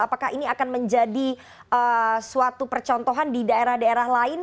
apakah ini akan menjadi suatu percontohan di daerah daerah lain